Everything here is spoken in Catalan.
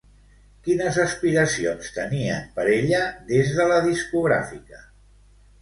Quines aspiracions tenien per ella des de la discogràfica?